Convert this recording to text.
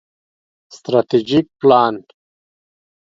ستراتیژیک پلان